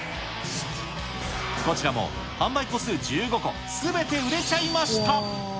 こちらも販売個数１５個、すべて売れちゃいました。